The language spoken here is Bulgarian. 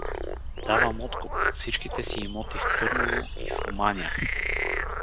— Давам откуп: всичките си имоти в Търново и в Руманя.